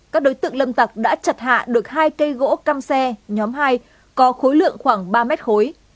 các đối tượng lâm tặc đã chặt hạ được hai cây gỗ cam xe nhóm hai có khối lượng khoảng ba mét khối